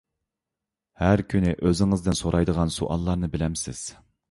ھەر كۈنى ئۆزىڭىزدىن سورايدىغان سوئاللارنى بىلەمسىز؟